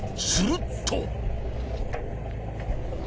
すると。